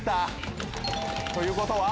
ということは？